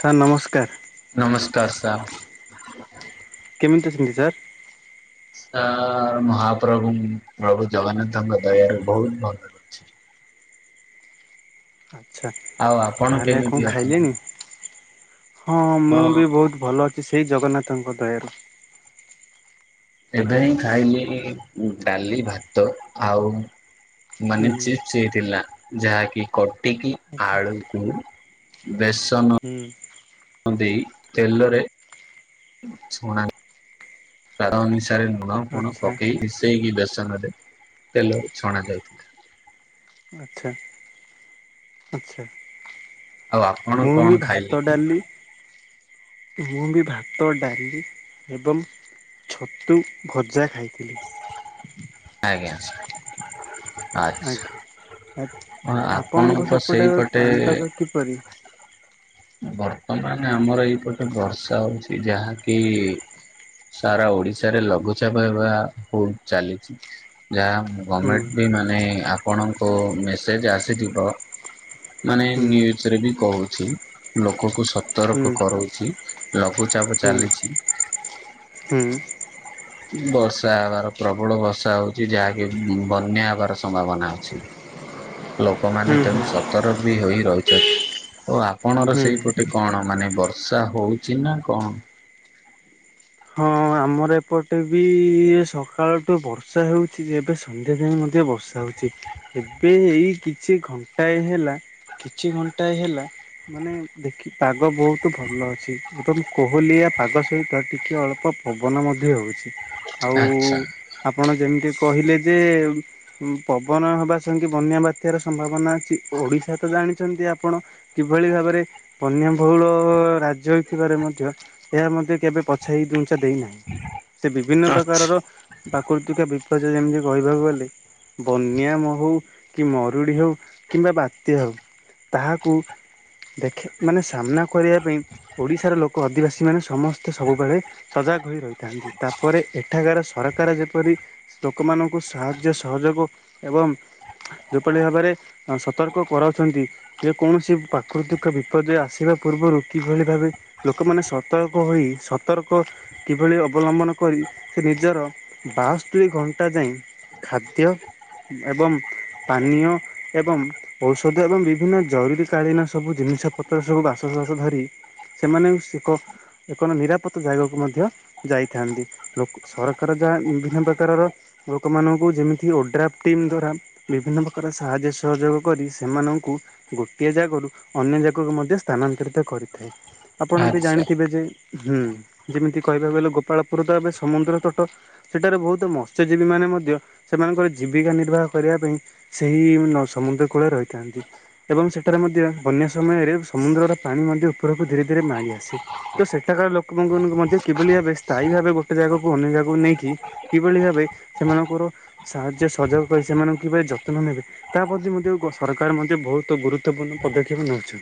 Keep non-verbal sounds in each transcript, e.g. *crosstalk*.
Sir ନମସ୍କାର। ନମସ୍କାର sir. କେମିତି ଅଛନ୍ତି ସାର୍। ଆ ମହାପ୍ରଭୁ ପ୍ରଭୁ ଜଗନ୍ନାଥଙ୍କ ଦୟାରୁ ବହୁତ ଭଲ ଅଛି। ଆଚ୍ଛା ଆଉ ଆପଣ ତାହଲେ କେମିତି କଁ ଅଛନ୍ତି? ଖାଇଲେଣି। ହଁ ମୁଁ ବି ବୋହୁତ ଭଲ ଅଛି ସେଇ ଜଗନ୍ନାଥଙ୍କ ଦୟାରୁ। ଏବେ ହିଁ ଖାଇଲି ଡାଲି ଭାତ ଆଉ ହୁଁ ମାନେ ଚି ସେ ଥିଲା ଯାହାକି କଟିକି ଆଚ୍ଛା। ଆଳୁକୁ ବେସନ ହୁଁ। ଦେଇ ତେଲରେ ଛଣା ତାର ନି ଟାରେ ଲୁଣ ଫୁଣ ଆଚ୍ଛା ପକେଇ ମିଶେଇକି ବେସନ ରେ ତେଲରେ ଛଣା ଯାଏ। ଆଚ୍ଛା ଆଚ୍ଛା। ଆଉ ଆପଣ ମୁଁ କଣ ବି ଖାଇଲେ ଭାତ କି? ଡାଲି ମୁଁ ବି ଭାତ ଡାଲି ଏବଂ ଛତୁ ଭଜା ଖାଇଥିଲି। ଆଜ୍ଞା। ଆଜ୍ଞା। ଆଚ୍ଛା ହଁ ଆପଣଙ୍କ ସେପଟେ ସେଇପଟେ ପାଣିପାଗ କିପରି। ବର୍ତ୍ତମାନ୍ ଆମର ଏଇପଟେ ବର୍ଷା ହଉଛି ଯାହାକି ସାରା ଓଡିଶାରେ ଲଘୁଚାପ ହେବା ବୋହୁତ୍ ଚାଲିଛି। ଯାହା ହୁଁ ଗମେଣ୍ଟ ବି ମାନେ ଆପଣଙ୍କୁ ମେସେଜ୍ ଆସିଯିବ। ମାନେ ହୁଁ ନ୍ୟୁଜ୍ରେ ବି କହୁଛି ଲୋକକୁ ହୁଁ ସତର୍କ କରଉଛି। ଲଘୁଚାପ ହୁଁ ଚାଲିଛି। ହୁଁ। ବର୍ଷା ହେବାର ପ୍ରବଳ ବର୍ଷା ହଉଛି ଯାହାକି ବନ୍ୟା ହେବାର ସମ୍ଭାବନା ଅଛି। ହୁଁ ଲୋକମାନେ ତେଣୁ ହୁଁ ସତରକ୍ ବି ହୋଇ ରହିଛନ୍ତି। ଓ ଆପଣର ହୁଁ। ସେଇପଟେ କଣ ମାନେ ବର୍ଷା ହଉଛି ନା କଣ। ହଁ ଆମର ଏପଟେ ବି ସକାଳଠୁ ବର୍ଷା ହେଉଛି ଏବେ ସନ୍ଧ୍ୟା ଯାଇ ମଧ୍ୟ ବର୍ଷା ହଉଛି। ଏବେ ଏଇ କିଛି ଘଣ୍ଟାଏ ହେଲା କିଛି ଘଣ୍ଟାଏ ହେଲା। ମାନେ ଦେଖି ପାଗ ବୋହୁତୁ ଭଲ ଅଛି ଏବଂ କୋହଲିଆ ପାଗ ସହିତ ଟିକେ ଅଳପ ପବନ ମଧ୍ୟ ହେଉଛି ଆଉ ଆଚ୍ଛା। ଆପଣ ଯେମ୍ତି କହିଲେ ଯେ ପବନ ହବା ସଙ୍ଗେ ବନ୍ୟା ବାତ୍ୟାର ସମ୍ଭାବନା ଅଛି ଓଡିଶା ତ ଜାଣିଛନ୍ତି ଆପଣ। କିଭଳି ଭାବରେ ବନ୍ୟ ବହୁଳ ରାଜ୍ୟ ହେଇଥିବାରେ ମଧ୍ୟ ଏହା ମଧ୍ୟ କେବେ ପଛେଇ ଦୁଞ୍ଚା ଦେଇନାହିଁ ସେ ବିଭିନ୍ନ ପ୍ରକାରର ପାକୃତିକ ବିପଯ୍ୟୟ ଯେମିତି କହିବାକୁ ଗଲେ ବନ୍ୟା ମହୁ କି ମରୁଡ଼ି ହେଉ କିମ୍ବା ବାତ୍ୟା ହଉ। ତାହାକୁ ଦେଖେ ମାନେ ସାମ୍ନାକୁ କରିବା ପାଇଁ ଓଡିଶାର ଲୋକ ଅଦିବାସୀ ମାନେ ସମସ୍ତେ ସବୁବେଳେ ସଜାଗ୍ ହୋଇ ରହିଥାନ୍ତି ତାପରେ ଏଠାକାର ସରକାର ଯେପରି ଲୋକମାନଙ୍କୁ ସାହାଯ୍ୟ ସହଯୋଗ ଏବଂ ଯେଭଳି ଭାବରେ ସତର୍କ କରାଉଚନ୍ତି। କିଏ କୌଣସି ପ୍ରାକୃତିକ ବିପଦ ଆସିବା ପୂର୍ବରୁ କିଭଳି ଭାବେ ଲୋକମାନେ ସତର୍କ ହୋଇ ସତର୍କ ର୍କ କିଭଳି ଅବଲମ୍ବନ କରି ସେ ନିଜର ବାସ୍ତରି ଘଣ୍ଟା ଯାଏ ଖାଦ୍ୟ ଏବଂ ପାନୀୟ ଏବଂ ଔଷଧ ଏବଂ ବିଭିନ୍ନ ଜରୁରୀ କଳୀନ ସବୁ ଜିନିଷ ପତ୍ର ସବୁ ବାସସସ ଧରି ସେମାନେ ସେକ ଏକ ନିରାପତ୍ତା ଜାଗାକୁ ମଧ୍ୟ ଯାଇଥାନ୍ତି। ଲ ସରକାର ଯାହା ବିଭିନ୍ନ ପ୍ରକାରର ଲୋକମାନଙ୍କୁ ଯେମିତି ଓଡ୍ରାଫ୍ ଟିମ୍ ଦ୍ଵାରା ବିଭିନ୍ନ ପ୍ରକାର ସାହାଯ୍ୟ ସହଯୋଗ କରି ସେମାନଙ୍କୁ ଗୋଟିଏ ଜାଗରୁ ଅନ୍ୟ ଜାଗାକୁ ମଧ୍ୟ ସ୍ଥାନାନ୍ତରିତ କରିଥାଏ। ଆପଣ ବି ଆଚ୍ଛା ଜାଣିଥିବେ ଯେଁ ହୁଁ ଯେମିତି କହିବାକୁ ଗଲେ ଗୋପାଳପୁର ତ ଏବେ ସମୁଦ୍ର ତଟ ସେଠାରେ ବହୁତ ମତ୍ସ୍ୟଜୀବୀ ମାନେ ମଧ୍ୟ ସେମାନଙ୍କର ଜୀବିକା ନିର୍ବାହ କରିବା ପାଇଁ ସେହି ନ ସମୁଦ୍ର କୂଳରେ ରହିଥାନ୍ତି। ଏବଂ ସେଠାରେ ମଧ୍ୟ ବନ୍ୟା ସମୟରେ ସମୁଦ୍ରର ପାଣି ମଧ୍ୟ ଉପରକୁ ଧୀରେ ଧୀରେ ମାଡ଼ି ଆସେ। ତ ସେଠାକାର ଲୋକଙ୍କୁ ମଧ୍ୟ କିଭଳି ଭାବେ ସ୍ଥାୟୀ ଭାବେ ଗୋଟେ ଜାଗାକୁ ଅନ୍ୟ ଜାଗାକୁ ନେଇକି କିଭଳି ଭାବେ ସେମାନଙ୍କର ସାହାଯ୍ୟ ସହଯୋଗ କରି ସେମାନଙ୍କୁ କିଭଳି ଯତ୍ନ ନେବେ ତା ପ୍ରତି ମଧ୍ୟ ସରକାର ମଧ୍ୟ ବହୁତ ଗୁରୁତ୍ୱପୂର୍ଣ୍ଣ ପଦକ୍ଷେପ ନଉଚନ୍ତି।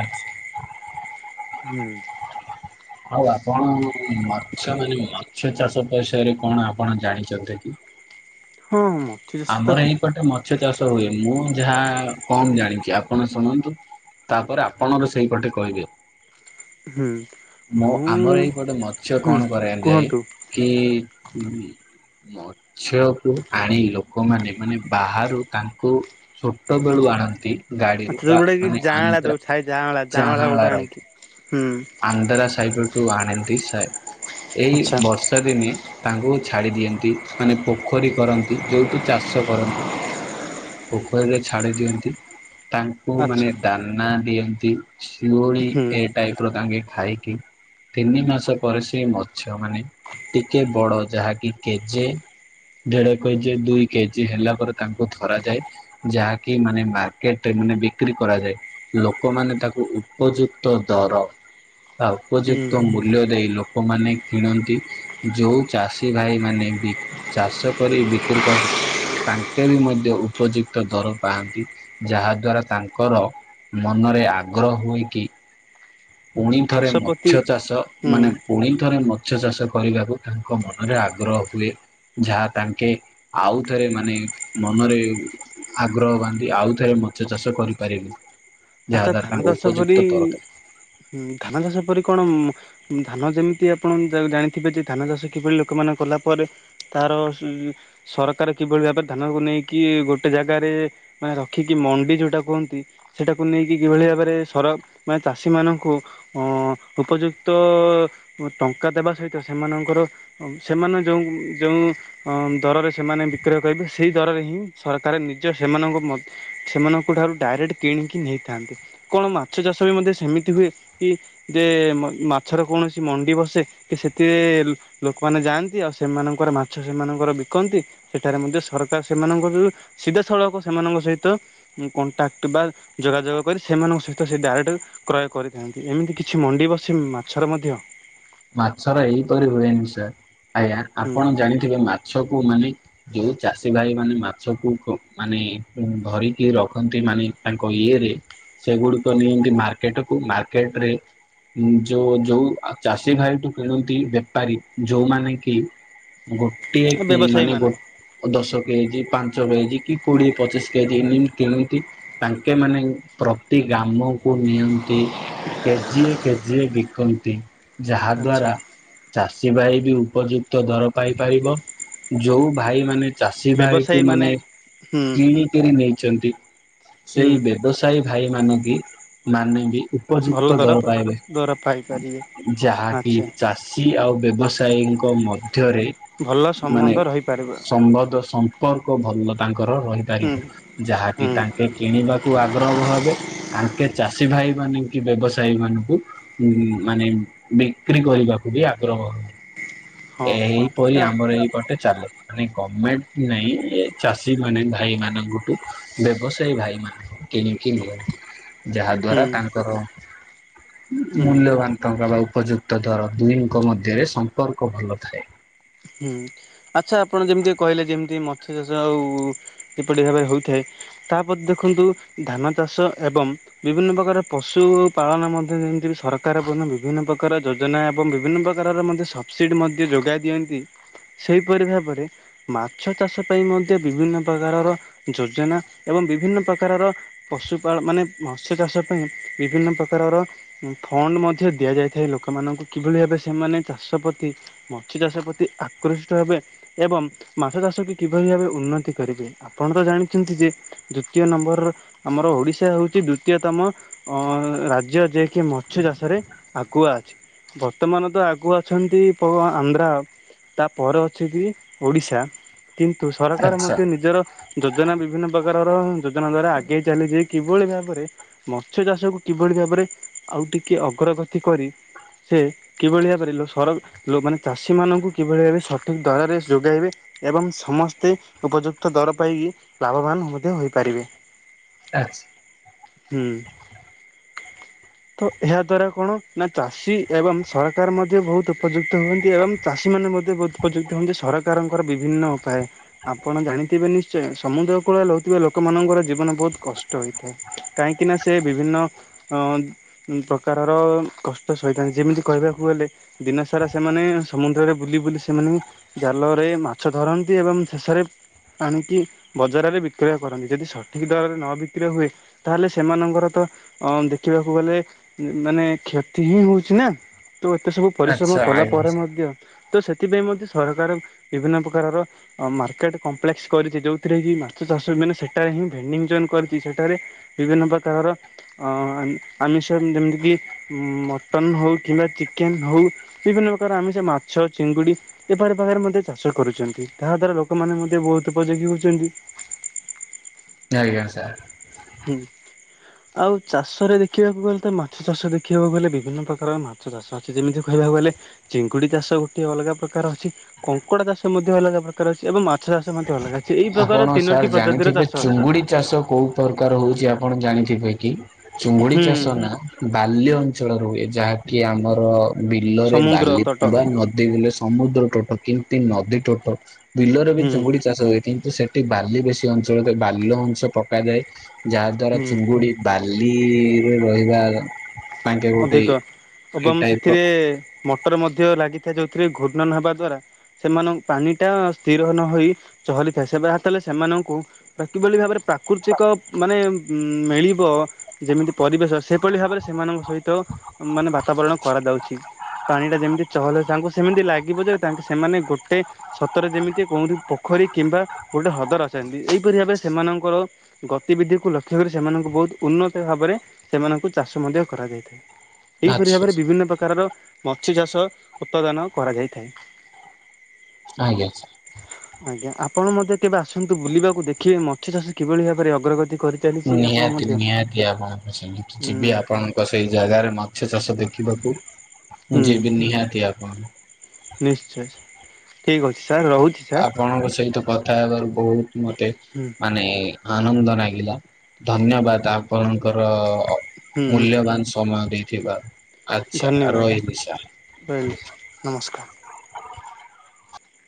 ଆଚ୍ଛା। ହୁଁ। ହଉ ଆପଣ ମାଛ ମାନେ ମାଛ ଚାଷ ବିଷୟରେ କଣ ଆପଣ ଜାଣିଚନ୍ତି କି? ହଁଁ। ଆମର ଏଇପଟେ ମାଛ ଚାଷ ହୁଏନି। ମୁଁ ଯାହା କମ ଜାଣିଚି ଆପଣ ଶୁଣନ୍ତୁ। ତାପରେ ଆପଣଙ୍କ ସେଇ ପଟେ କହିବେ। ହୁଁ। ମୋ ଆମର ମୁଁ ଏଇପଟେ ମତ୍ସ୍ୟ ହୁଁ କଣ କରାଯାଏ? କୁହନ୍ତୁ। କି ମତ୍ସ୍ୟ କୁ ଆଣିଲ। କଉମାନେ ମାନେ ବାହାରୁ ତାଙ୍କୁ ଛୋଟ ବେଳୁ ଆଣନ୍ତି ଗାଡିରୁ ଆଚ୍ଛା ବା ଯୋଉଗୁଡା କି ମାନେ ଯାଆଁଳା ଆନ୍ଧ୍ରା ଯୋଉ ଥାଏ ଯାଆଁଳା ଯାଆଁଳା ଗୋଟେ ଯାହାଳା ରହି ଆଣିକି ହୁଁ। ଆନ୍ଧରା ସାଇଟ ଠୁ ଆଣନ୍ତି ସାର୍ ଏଇ ଆଚ୍ଛା। ବର୍ଷ ର୍ଷା ଦିନେ ତାଙ୍କୁ ଛାଡ଼ି ଦିଅନ୍ତି। ନ୍ତି ମାନେ ପୋଖରୀ କରନ୍ତି ଯୋଉଠି ଚାଷ କରନ୍ତି। ପୋଖରୀରେ ଛାଡି ଦିଅନ୍ତି ତାଙ୍କୁ ମାନେ ଆଚ୍ଛା ଦାନା ଦିଅନ୍ତି। ଶିଉଳି ହୁଁ ଏ ଟାଇପ ର ତାଙ୍କେ ଖାଇକି ତିନି ମାସ ପରେ ସିଏ ମ ମତ୍ସ୍ୟ ମାନେ ଟିକେ ବଡ ଯାହାକି କେଜେ ଦେଢ଼କେଜେ ଦୁଇ କେଜି ହେଲା ପରେ ତାଙ୍କୁ ଧରା ଯାଏ। ଯାହାକି ମାନେ ମାର୍କେଟରେ ମାନେ ବିକ୍ରି କରାଯାଏ। ଲୋକମାନେ ତାକୁ ଉପଯୁକ୍ତ ଦର ତା ହୁଁ ଉପଯୁକ୍ତ ମୂଲ୍ୟ ଦେଇ ଲୋକମାନେ କିଣନ୍ତି। ଯୋଉ ଚାଷୀ ଭାଇ ମାନେ ବି ଚାଷ କରି ବିକ୍ରି କରନ୍ ତାଙ୍କେ ବି ମଧ୍ୟ ଉପଯୁକ୍ତ ଦର ପାଆନ୍ତି। ଯାହା ଦ୍ଵାରା ତାଙ୍କର ମନରେ ଆଗ୍ରହ ହୁଏକି ପୁଣି ଥରେ ଚାଷ ପ୍ରତି ମତ୍ସ୍ୟ ଚାଷ ହୁଁ ମାନେ ପୁଣିଥରେ ମତ୍ସ୍ୟ ଚାଷ କରିବାକୁ ତାଙ୍କ ମନରେ ଆଗ୍ରହ ହୁଏ। ଯାହା ତାଙ୍କେ ଆଉଥରେ ମାନେ ମନରେ ଆଗ୍ରହ ବାନ୍ଧି ଆଉ ଥରେ ମତ୍ସ୍ୟ ଚାଷ କରିପାରିବେ। ଯାହା ଆଚ୍ଛା ଦ୍ଵାରା ଧାନ ତାଙ୍କୁ ଚାଷ ଉପଯୁକ୍ତ ପରି ଦର ଧାନ ଚାଷ ପରି କଣ ଧାନ ଯେମିତି ଆପଣ ଜାଣିଥିବେ ଯେ ଧାନ ଚାଷ କିଭଳି ଲୋକମାନେ କଲା ପରେ ତାର ସରକାର କିଭଳି ଭାବରେ ଧାନକୁ ନେଇକି ଗୋଟେ ଜାଗାରେ ମାନେ ରଖିକି ମଣ୍ଡି ଯୋଉଟା କୁହନ୍ତି କୁ ନେଇକି ଯେଉଁଭଳି ଭାବରେ ସର ମାନେ ଚାଷୀମାନଙ୍କୁ ଅଁ ଉପଯୁକ୍ତ ଟଙ୍କା ଦେବା ସହିତ ସେମାନଙ୍କର ସେମାନେ ଯୋଉ ଯେଉ ଅ ଦରରେ ସେମାନେ ବିକ୍ରୟ କରିବେ ସେଇ ଦରରେ ହିଁ ସରକାର ନିଜ ସେମାନଙ୍କ ମ ସେମାନଙ୍କ ଠାରୁ ଡାଇରେକ୍ଟ କିଣିକି ନେଇଥାନ୍ତି କଣ ମାଛ ଚାଷବି ମଧ୍ୟ ସେମିତି ହୁଏ କି ଯେ ମ ମାଛର କୌଣସି ମଣ୍ଡି ବସେ କି ସେଥିରେ ଲୋକମାନେ ଯାଆନ୍ତି ଆଉ ସେମାନଙ୍କର ମାଛ ସେମାନଙ୍କର ବିକନ୍ତି ସେଠାରେ ମଧ୍ୟ ସରକାର ସେମାନଙ୍କ ସିଧାସଳଖ ସେମାନଙ୍କ ସହିତ କଣ୍ଟାକ୍ଟବା ଯୋଗାଯୋଗ କରି ସେମାନଙ୍କ ସହିତ ସେ ଡାଇରେକ୍ଟ କ୍ରୟ କରିଥାନ୍ତି ଏମିତି କିଛି ମଣ୍ଡି ବସେ ମାଛର ମଧ୍ୟ? ମାଛର ଏଇପରି ହୁଏନି ସାର୍ ଆଜ୍ଞା ହୁଁ ଆପଣ ଜାଣିଥିବେ ମାଛକୁ ମାନେ ଯୋଉ ଚାଷୀ ଭାଇ ମାନେ ମାଛକୁ ମାନେ ଧରିକି ରଖନ୍ତି ମାନେ ତାଙ୍କ ଇଏରେ ସେଗୁଡ଼ିକ ନିଅନ୍ତି ମାର୍କେଟକୁ ମାର୍କେଟରେ ଯୋଉ ଯୋଉ ଚାଷୀ ଭାଇଠୁ କିଣନ୍ତି ବେପାରୀ ଯୋଉମାନେ କି ଗୋଟିଏ ମାନେ ଗୋ ଦଶ କେଜି ପାଞ୍ଚ କେଜି କି କୋଡ଼ିଏ ପଚିଶ କେଜି ଏମିତି କିଣନ୍ତି ତାଙ୍କେ ମାନେ ପ୍ରତି ଗ୍ରାମକୁ ନିଅନ୍ତି କେଜିଏ କେଜିଏ ବକନ୍ତି। ଯାହା ଆଚ୍ଛା ଦ୍ଵାରା ଚାଷୀ ଭାଇବି ଉପଯୁକ୍ତ ଦର ପାଇପାରିବ। ଯୋଉ ଭାଇ ମାନେ ଚାଷୀ ଭାଇକୁ ମାନେ ହୁଁ କିଣିକରି ନେଇଚନ୍ତି ହୁଁ ସେଇ ବ୍ୟବସାୟୀ ଭାଇ ମାନତି ମାନେବି ଉପଯୁକ୍ତ ଦର ପାଇବେ। ଦରଫାଇ ପାରିବେ। ଯାହାକି ଚାଷୀ ଆଉ ବ୍ୟବସାୟୀଙ୍କ ମଧ୍ୟରେ ଭଲ ମାନେ ସମ୍ବନ୍ଧ ରହିପାରିବ ସମ୍ବନ୍ଧ ସ ସମ୍ପର୍କ ଭଲ ତାଙ୍କର ରହିପାରିବ ହୁଁ ଯାହାକି ହୁଁ ତାଙ୍କେ କିଣିବାକୁ ଆଗ୍ରହ ଭାବେ ଆଙ୍କେ ଚାଷୀ ଭାଇ ମାନେ କି ବ୍ୟବସାୟୀ ମାନଙ୍କୁ ଉ ମାନେ ବିକ୍ରି କରିବାକୁବି ଆଗ୍ରହ ହଁ ଏହିପରି ଆମର ଏହିଇପଟେ ଚାଲେ। ମାନେ ଗମେଣ୍ଟ ନାଇଁ ଏ ଚାଷୀ ମାନେ ଭାଇ ମାନଙ୍କଠୁ ବ୍ୟବସାୟୀ ଭାଇ ମାନେ କିଣିକି ନିଅନ୍ତି। ଯାହା ଦ୍ଵାରା ହୁଁ ତାଙ୍କର ହୁଁ ମୂଲ୍ୟବାନ୍ ଟଙ୍କାବା ଉପଯୁକ୍ତ ଦର ଦୁହିଁଙ୍କ ମଧ୍ୟରେ ସମ୍ପର୍କ ଭଲ ଥାଏ। ହୁଁ। ଆଚ୍ଛା ଆପଣ ଯେମିତି କହିଲେ ଯେମିତି ମତ୍ସ୍ୟ ଚାଷ ଆଉ କିପରି ଭାରେ ହୋଇଥାଏ। ତାପରେ ଦେଖନ୍ତୁ ଧାନ ଚାଷ ଏବଂ ବିଭିନ୍ନ ପ୍ରକାର ପଶୁ ପାଳନ ମଧ୍ୟ ଯେମିତି ସରକାର ମଧ୍ୟ ବିଭିନ୍ନ ପ୍ରକାର ଯଜ ଯୋଜନା ଏବଂ ବିଭିନ୍ନ ପ୍ରକାରର ମଧ୍ୟ ସବସିଡି ମଧ୍ୟ ଯୋଗାଇ ଦିଅନ୍ତି ସେହିପରି ଭାବରେ ମାଛ ଚାଷ ପାଇଁ ମଧ୍ୟ ବିଭିନ୍ନ ପ୍ରକାରର ଯୋଜନା ଏବଂ ବିଭିନ୍ନ ପ୍ରକାରର ପଶୁପାଳ ମାନେ ମତ୍ସ୍ୟ ଚାଷ ପାଇଁ ବିଭିନ୍ନ ପ୍ରକାରର ଫଣ୍ଡ ମଧ୍ୟ ଦିଆଯାଇଥାଏ ଲୋକମାନଙ୍କୁ କିଭଳି ଭାବେ ସେମାନେ ଚାଷ ପ୍ରତି ମାଛ ଚାଷ ପ୍ରତି ତି ଆକୃଷ୍ଟ ହେବେ ଏବଂ ମାଛ ଚାଷ କି କିଭଳି ଭାବେ ଉନ୍ନତି କରିବେ। ଆପଣ ତ ଜାଣିଛନ୍ତି ଯେ ଦ୍ଵିତୀୟ ନମ୍ବର ରେ ଆମର ଓଡିଶା ହଉଛି ଦ୍ଵିତୀୟ ତମ ଅ ରାଜ୍ୟ ଯିଏ କିି ମସ୍ୟ ଚାଷରେ ଆଗୁଆ ଅଛି। ବର୍ତ୍ତମାନ ତ ଆଗକୁ ଅଛନ୍ତି ପ ଆନ୍ଧ୍ରା ତାପରେ ଅଛି କି ଓଡିଶା। କିନ୍ତୁ ସରକାର ଆଚ୍ଛା ମଧ୍ୟ ନିଜର ଯୋଜନା ବିଭିନ୍ନ ପ୍ରକାରର ଯୋଜନା ଦ୍ଵାରା ଆଗେଇ ଚାଲିଛି। କିଭଳି ଭାବରେ ମତ୍ସ୍ୟ ଚାଷକୁ କିଭଳି ଭାବରେ ଆଉ ଟିକିଏ ଅଗ୍ରଗତି କରି ସେ କିଭଳି ଭାବରେ ସରକା ଯୋ ମାନେ ଚାଷୀ ମାନଙ୍କୁ କିଭଳି ଭାବେ ସଠିକ ଦରରେ ଯୋଗାଇବେ ଏବଂ ସମସ୍ତେ ଉପଯୁକ୍ତ ଦର ପାଇକି ଲାଭବାନ ମଧ୍ୟ ହୋଇପାରିବେ। ଆଚ୍ଛା। ହୁଁ *inaudible* ତ ଏହା ଦ୍ଵାରା କଣ ନା ଚାଷୀ ଏବଂ ସରକାର ମଧ୍ୟ ବହୁତ ଉପଯୁକ୍ତ ହୁଅନ୍ତି ଏବଂ ଚାଷୀ ଚାଷୀ ମାନେ ମଧ୍ୟ ବହୁ ଉପଯୁକ୍ତ ହଉଛନ୍ତି ସରକାରଙ୍କର ବିଭିନ୍ନ ଉପାୟରେ। ଆପଣ ଜାଣିଥିବେ ନିଶ୍ଚୟ ସମୁଦ୍ର କୂଳରେ ରହୁଥିବା ଲୋକମାନାନଙ୍କର ଜୀବନ ବହୁତ କଷ୍ଟ। ଷ୍ଟ ହୋଇଥାଏ କାହିଁକିନା ସେ ବିଭିନ୍ନ ଅଁ ଉ ପ୍ରକାରର କଷ୍ଟ ସହିଥାନ୍ତି। ଯେମିତି କହିବାକୁ ଗଲେ ଦିନ ସାରା ସେମାନେ ସମୁଦ୍ରରେ ବୁଲି ବୁଲି ସେମାନେ ଜାଲ ରେ ମାଛ ଧରନ୍ତି ଏବଂ ଶେଷରେ ଆଣିକି ବଜାରରେ ବିକ୍ରୟ କରନ୍ତି ଯଦି ସଠିକ୍ ଦରରେ ନ ବିକ୍ରୟ ହୁଏ ତାହଲେ ସେମାନଙ୍କର ତ ଅ ଦେଖିବାକୁ ଗଲେ ମାନେ କ୍ଷତି ହିଁ ହଉଛି ନା। ତୁ ଏତେ ସବୁ ପରିଶ୍ରମ ଆଚ୍ଛା କଲା ପରେ ଆଜ୍ଞା ମଧ୍ୟ ତ ସେଥିପାଇଁ ମଧ୍ୟ ସରକାର ବିଭିନ୍ନ ପ୍ରକାରର ମାର୍କେଟ କମ୍ପ୍ଲେକ୍ସ କରିଛି ଯଉଥିରେ କି ମାଛ ଚାଷ ମାନେ ସେଠାରେ ହିଁ ଭେଣ୍ଡିଂ ଜୋନ କରିଛି ସେଠାରେ ବିଭିନ୍ନ ପ୍ରକାରର ଅ ଆମିଷ ଯେମିତି କିି ମଟନ ହଉ କିମ୍ବା ଚିକେନ ହଉ ବିଭିନ୍ନ ପ୍ରକାର ଆମିସ ମାଛ ଚିଙ୍ଗୁଡି ଏ ପ୍ରକାର ପାଖରେ ମଧ୍ୟ ଚାଷ କରୁଛନ୍ତି ତାହା ଦ୍ଵାରା ଲୋକମାନେ ମଧ୍ୟ ବହୁତ ଉପଯୋଗୀ ହଉଛନ୍ତି। ଆଜ୍ଞା ସାର୍। ହୁଁ ଆଉ ଚାଷରେ ଦେଖିବାକୁ ଗଲେ ତ ମାଛ ଚାଷ ଦେଖିବାକୁ ଗଲେ ବିଭିନ୍ନ ପ୍ରକାର ମାଛ ଚାଷ ଅଛି ଯେମିତି କହିବାକୁ ଗଲେ ଚିଙ୍ଗୁଡି ଚାଷ ଗୋଟେ ଅଲଗା ପ୍ରକାର ଅଛି। କଙ୍କଡ଼ା ଚାଷ ମଧ୍ୟ ଅଲଗା ପ୍ରକାର ଅଛି ଏବଂ ମାଛ ଚାଷ ମଧ୍ୟ ଅଲଗା ଛି ଏଇ ଆପଣ ପ୍ରକାର ସାର୍ ତିନୋଟି ପ୍ରଜାତିର ଜାଣିଥିବେ ଚାଷ ଅଛି। ଚୁଙ୍ଗୁଡି ଚାଷ କୋଉ ପ୍ରକାର ହଉଛି ଆପଣ ଜାଣିଥିବେ କି? ଚୁଙ୍ଗୁଡି ହୁଁ ଚାଷ ନା ବାଲ୍ୟ ଅଞ୍ଚଳ ର ହୁଏ ଯାହାକି ଆମର ବିଲରେ ସମୁଦ୍ର ତଟ ବାଲିଥିବା ନଦୀ ବୁ ସମୁଦ୍ର ଟୋଟ କେମତି ନଦୀ ଟୋଟ ବିଲରେ ବି ହୁଁ ଚିଙ୍ଗୁଡି ଚାଷ ହୁଏ। କି ସେଠି ବାଲି ବେଶୀ ଅଞ୍ଚଳରେ ବାଲ୍ୟ ଅଂଶ ପକାଯାଏ ଯାହା ଦ୍ଵାରା ହୁଁ। ଚୁଙ୍ଗୁଡି ବାଲିରେ ରହିବା ତାଙ୍କେ ଗୋଟେ ଅଧିକ ଏ ଏବଂ ଟାଇପ ର ସେଥିରେ ମଟର ମଧ୍ୟ ଲାଗିଥାଏ ଯେଉଁଥିରେ ଘୂର୍ଣ୍ଣ ନ ହେବା ଦ୍ଵାରା ସେମାନଙ୍କ ପାଣିଟା ସ୍ଥିର ନ ହୋଇ ଚହଲିଥାଏ ସେ ବର୍ ହାତ ହେଲେ ସେମାନଙ୍କୁ ବା କି ବୋଲି ଭାବରେ ପ୍ରାକୃତିକ ମାନେ ମିଳିବ ଯେମିତି ପରିବେଶ ସେଭଳି ଭାବରେ ସେମାନଙ୍କ ସହିତ ତୋ ମାନେ ବାତାବରଣ କରାଯାଉଛି। ପାଣି ଟା ଯେମିତି ଚହଲେ ତାଙ୍କୁ ସେମିତି ଲାଗିବ ଯେ ତାଙ୍କ ସେମାନେ ଗୋଟେ ସତରେ ଯେମିତି କେଉଁଠି ପୋଖରୀ କିମ୍ବା ଗୋଟେ ହ୍ରଦର ଆଛନ୍ତି। ଏହିପରି ଭାବେ ସେମାନଙ୍କର ଗତିବିଧିକୁ ଲକ୍ଷ୍ୟ କରି ସେମାନଙ୍କୁ ବହୁତ ଉନ୍ନତ ଭାବରେ ସେମାନଙ୍କୁ ଚାଷ ମଧ୍ୟ କରାଯାଇଥାଏ। ଏହିପରି ଆଚ୍ଛା ଭାବରେ ବିଭିନ୍ନ ପ୍ରକାରର ମଛ୍ଯ ଚାଷ ଉତ୍ପାଦନ କରାଯାଇଥାଏ। ଆଜ୍ଞା ଆଜ୍ଞା ଆପଣ ମଧ୍ୟ କେବେ ଆସନ୍ତୁ, ବୁଲିବାକୁ ଦେଖିବେ ମଛ୍ଯ ଚାଷ କିଭଳି ଭାବରେ ଅଗ୍ରଗତି କରିଚାଲିଛି ଆପଣ ନିହାତି ମଧ୍ୟ ନିହାତି ଆପଣ ସଙ୍ଗିତ ହୁଁ ଯିବି ଆପଣଙ୍କ ସେଇ ଜାଗାରେ ମାଛ ଚାଷ ଦେଖିବାକୁ ମୁଁ ହୁଁ ଯିବି। ନିହାତି ଆପଣ ନିଶ୍ଚୟ, ଠିକ୍ ଅଛି ସାର୍ ରହୁଛି। ସାର୍ ଆପଣଙ୍କ ସହିତ କଥା ହେବାରୁ, ବହୁତ ମତେ ହୁଁ ମାନେ ଆନନ୍ଦ ଲାଗିଲା। ଧନ୍ୟବାଦ ଆପଣଙ୍କର ହୁଁ ମୂଲ୍ୟବାନ ସମୟ ଦେଇଥିବା। ଧନ୍ୟବାଦ, ରହିଲି ନମସ୍କାର।